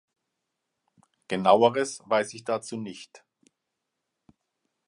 Genaueres weiß ich dazu nicht.